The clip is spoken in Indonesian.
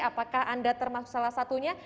apakah anda termasuk salah satunya